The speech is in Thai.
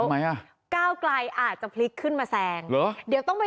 ไหมอ่ะก้าวไกลอาจจะพลิกขึ้นมาแซงเหรอเดี๋ยวต้องไป